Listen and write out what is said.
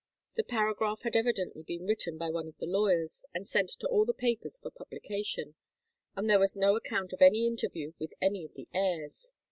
The paragraph had evidently been written by one of the lawyers, and sent to all the papers for publication, and there was no account of any interview with any of the heirs.